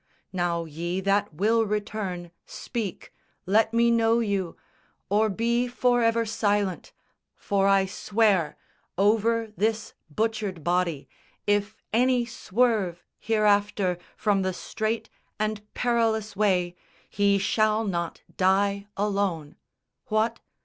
Now ye that will return, speak, let me know you, Or be for ever silent, for I swear Over this butchered body, if any swerve Hereafter from the straight and perilous way, He shall not die alone. What?